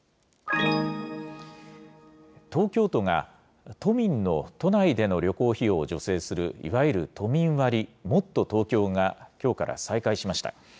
東京都が都民の都内での旅行費用を助成する、いわゆる都民割、もっとＴｏｋｙｏがきょうから再開しました。